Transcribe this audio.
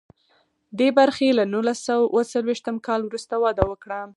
دې برخې له نولس سوه اوه څلویښتم کال وروسته وده وکړه.